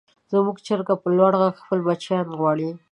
زموږ چرګه په لوړ غږ خپل بچیان غواړي.